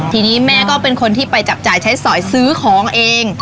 ทีนี้แม่ก็เป็นคนที่ไปจับจ่ายใช้สอยซื้อของเอง